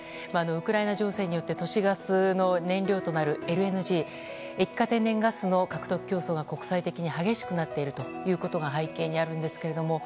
ウクライナ情勢によって都市ガスの燃料となるＬＮＧ・液化天然ガスの競争獲得が国際的に激しくなっていることが背景にあるんですが。